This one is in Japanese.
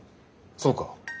そうか。